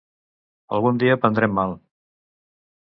Algun dia prendrem mal.